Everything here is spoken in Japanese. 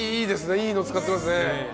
いいの使ってますね。